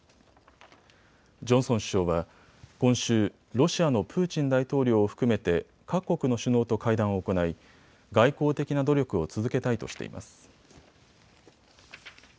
ジョンソン首相は今週、ロシアのプーチン大統領を含めて各国の首脳と会談を行い外交的な努力を続けたいとしています。